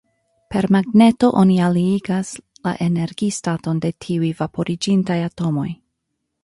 Per magneto oni aliigas la energistaton de tiuj vaporiĝintaj atomoj.